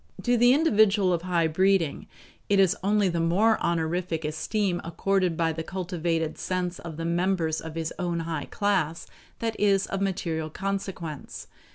To the individual of high breeding, it is only the more honorific esteem accorded by the cultivated sense of the members of his own high class that is of material consequence.